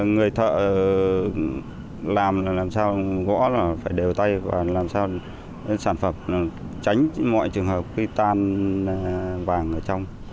người thợ làm làm sao gõ phải đều tay và làm sao sản phẩm tránh mọi trường hợp tan vàng ở trong